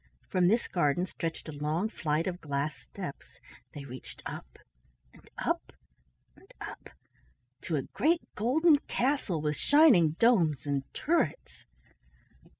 From this garden stretched a long flight of glass steps. They reached up and up and up to a great golden castle with shining domes and turrets.